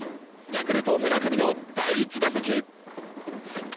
ヤクルト村上の第１打席。